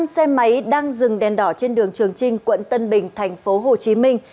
năm xe máy đang dừng đèn đỏ trên đường trường trinh quận tân bình thành phố hồ chí minh